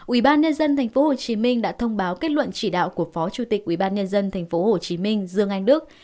ubnd tp hcm đã thông báo kết luận chỉ đạo của phó chủ tịch ubnd tp hcm dương anh đức